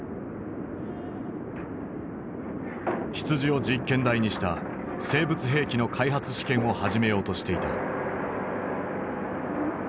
羊を実験台にした生物兵器の開発試験を始めようとしていた。